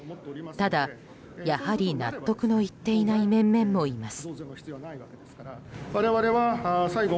ただ、やはり納得のいっていない面々もいます。